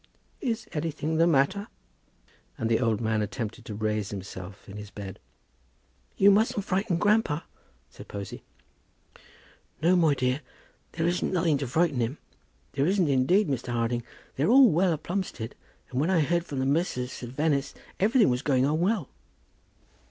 "Is anything the matter?" And the old man attempted to raise himself in his bed. "You mustn't frighten grandpa," said Posy. "No, my dear; and there isn't nothing to frighten him. There isn't indeed, Mr. Harding. They're all well at Plumstead, and when I heard from the missus at Venice, everything was going on well."